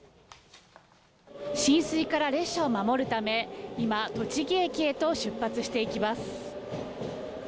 浸水から列車を守るため、今、栃木駅へと出発していきます。